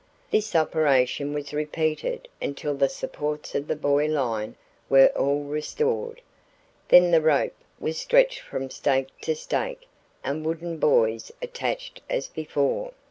This operation was repeated until the supports of the buoy line were all restored. Then the rope was stretched from stake to stake and wooden buoys attached as before.